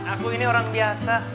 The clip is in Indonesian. aku ini orang biasa